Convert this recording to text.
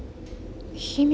秘密？